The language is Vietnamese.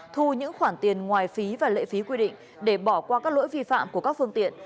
thu những khoản tiền ngoài phí và lệ phí quy định để bỏ qua các lỗi vi phạm của các phương tiện